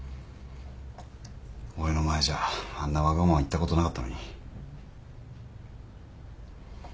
俺の前じゃあんなわがまま言ったことなかったのに。